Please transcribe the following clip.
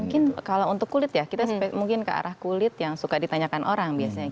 mungkin kalau untuk kulit ya kita mungkin ke arah kulit yang suka ditanyakan orang biasanya